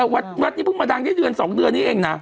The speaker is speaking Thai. วัดนี้เพิ่งมาดังได้เดือน๒เดือนนี้เองนะ